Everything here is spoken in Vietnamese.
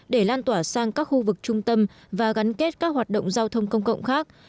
để lan tỏa sang các khu vực trung tâm và gắn kết các hoạt động giao thông công cộng khác